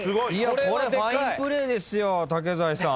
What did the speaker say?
これファインプレーですよ竹財さん。